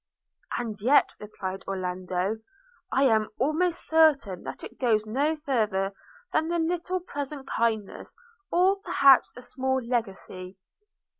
'And yet,' replied Orlando, 'I am almost certain that it goes no farther than a little present kindness, or perhaps a small legacy.'